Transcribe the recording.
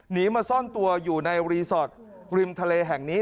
หนีมาซ่อนตัวอยู่ในรีสอร์ทริมทะเลแห่งนี้